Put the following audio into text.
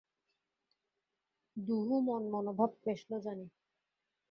দুঁহু মন মনোভাব পেশল জানি।